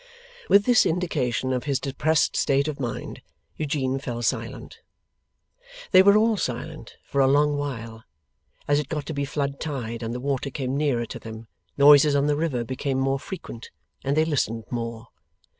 With this indication of his depressed state of mind, Eugene fell silent. They were all silent for a long while. As it got to be flood tide, and the water came nearer to them, noises on the river became more frequent, and they listened more.